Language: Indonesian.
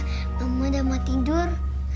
alhamdulillah mama udah mau tidur